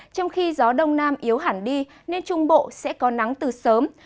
trong khi gió đông nam yếu hẳn đi nên trung bộ sẽ có nắng từ sớm